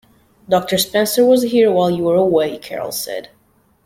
“Doctor Spencer was here while you were away,” Carol said.